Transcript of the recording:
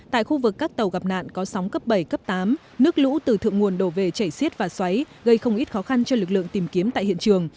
tại khu vực các tàu gặp nạn có sóng cấp bảy cấp tám nước lũ từ thượng nguồn đổ về chảy xiết và xoáy gây không ít khó khăn cho lực lượng tìm kiếm tại hiện trường